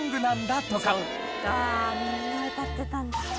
そっかみんな歌ってたんだ。